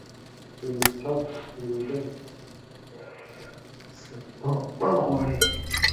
د لپ ټاپ پیرودل سپما غواړي.